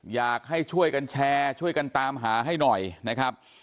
อยากให้ช่วยกันแชร์ช่วยกันตามหาให้หน่อยนะครับ